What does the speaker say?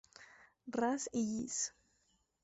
Ras i llis.